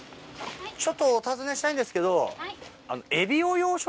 ちょっとお尋ねしたいんですけど。